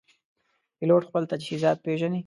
پیلوټ خپل تجهیزات پېژني.